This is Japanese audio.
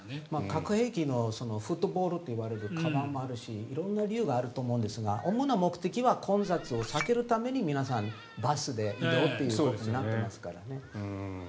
核兵器のフットボールといわれるかばんもあるし色んな理由があると思うんですが主な目的は混雑を避けるために皆さんバスで移動という形になってますから。